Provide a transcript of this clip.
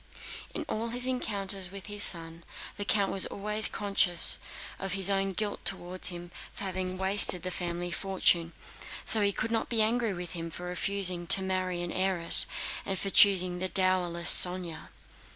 In all his encounters with his son, the count was always conscious of his own guilt toward him for having wasted the family fortune, and so he could not be angry with him for refusing to marry an heiress and choosing the dowerless Sónya.